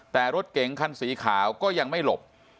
แต่รถเก๋งคันสีขาวก็ยังไม่หลบ